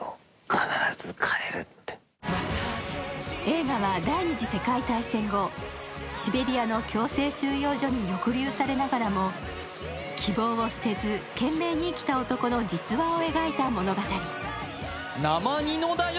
映画は第二次世界大戦後シベリアの強制収容所に抑留されながらも希望を捨てず、懸命に生きた男の実話を描いた物語。